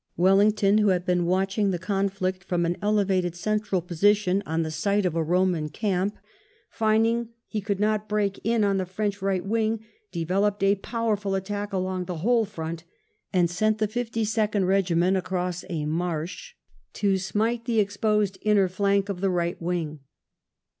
Wellington, who had been watching the conflict from an elevated central position on the site of a Roman camp, finding he could not break in on the French right wing, developed a powerful attack along the whole front, and sent the Fifty second regiment across a marsh to smite VIII BATTLE OF ORTHEZ 193 the exposed inner flank of the right wing.